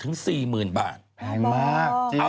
แพงมากจริง